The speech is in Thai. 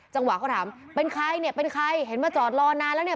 จังหวะเขาถามเป็นใครเนี่ยเป็นใครเห็นมาจอดรอนานแล้วเนี่ย